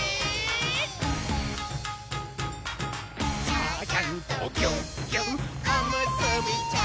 「ちゃちゃんとぎゅっぎゅっおむすびちゃん」